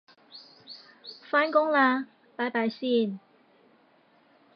返工喇拜拜先